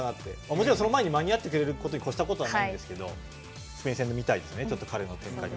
もちろん、その前に間に合ってくれることに越したことはないんですけどスペイン戦で彼を見たいですね。